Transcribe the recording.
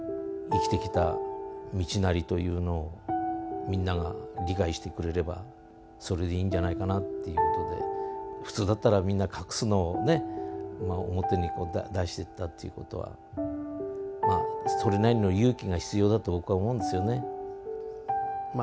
生きてきた道なりというものを、みんなが理解してくれれば、それでいいんじゃないかなということで、普通だったら、みんな隠すのをね、表に出していったってことは、まあ、それなりの勇気が必要だと僕は思うんですよね。